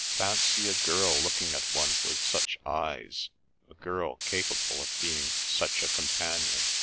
Fancy a girl looking at one with such eyes! a girl capable of being such a companion.